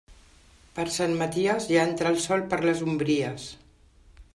Per Sant Maties, ja entra el sol per les ombries.